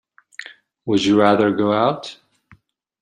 Would you rather go out?